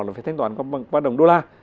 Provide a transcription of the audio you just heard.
nó phải thanh toán bằng ba đồng đô la